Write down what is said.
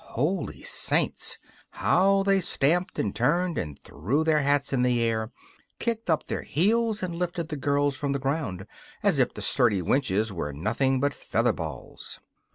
Holy saints! how they stamped and turned and threw their hats in the air, kicked up their heels, and lifted the girls from the ground, as if the sturdy wenches were nothing but feather balls!